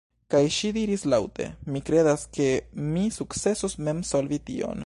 Kaj ŝi diris laŭte: "Mi kredas ke mi sukcesos mem solvi tion."